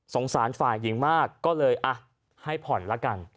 สารฝ่ายหญิงมากก็เลยให้ผ่อนละกัน